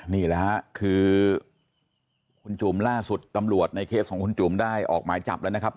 นี่แหละฮะคือคุณจุ๋มล่าสุดตำรวจในเคสของคุณจุ๋มได้ออกหมายจับแล้วนะครับ